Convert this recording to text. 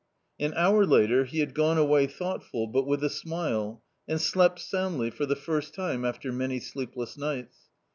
An hour later he had gone away thoughtful but with a smile, and slept soundly for the first time after many sleepless nights.